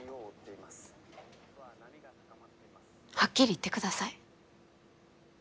はっきり言ってください。